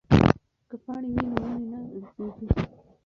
که پاڼې وي نو ونې نه لوڅیږي.